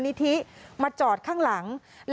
เยี่ยมมากครับ